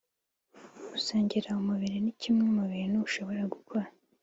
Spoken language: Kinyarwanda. Gusangira umubiri ni kimwe mu bintu ushobora gukora